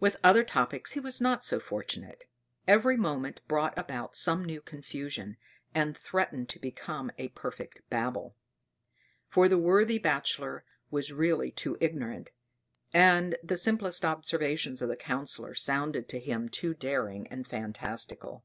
With other topics he was not so fortunate; every moment brought about some new confusion, and threatened to become a perfect Babel; for the worthy Bachelor was really too ignorant, and the simplest observations of the Councillor sounded to him too daring and phantastical.